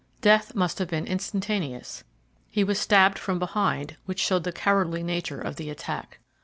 Death must have been instantaneous. He was stabbed from behind, which showed the cowardly nature of the attack.